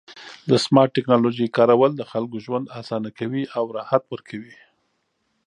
د سمارټ ټکنالوژۍ کارول د خلکو ژوند اسانه کوي او راحت ورکوي.